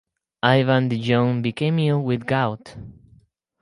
Ivan the Young became ill with gout.